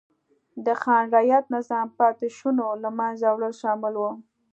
د خان رعیت نظام پاتې شونو له منځه وړل شامل و.